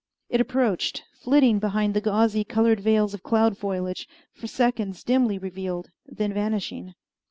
It approached, flitting behind the gauzy, colored veils of cloud foliage, for seconds dimly revealed, then vanishing.